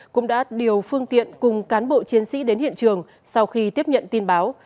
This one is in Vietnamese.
cũng đã điều phương tiện cùng cán bộ chiến sĩ đến hiện trường sau khi tiếp nhận tin báo